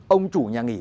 ông chủ nhà nghỉ